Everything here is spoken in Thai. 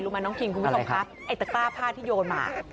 รู้มั้ยน้องคิงคุณมิธรรมคะไอ้ตากล้าผ้าที่โยนมา